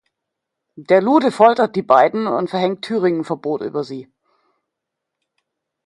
Der Lude foltert die beiden und verhängt Thüringen-Verbot über sie.